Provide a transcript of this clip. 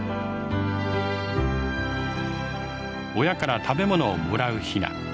親から食べ物をもらうヒナ。